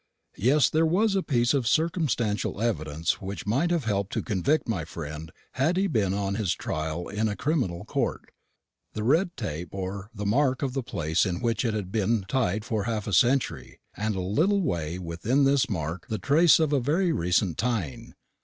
Yes, there was a piece of circumstantial evidence which might have helped to convict my friend had he been on his trial in a criminal court. The red tape bore the mark of the place in which it had been tied for half a century; and a little way within this mark the trace of a very recent tying.